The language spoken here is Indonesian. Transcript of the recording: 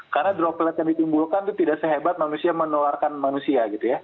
karena droplet yang ditimbulkan itu tidak sehebat manusia menularkan manusia gitu ya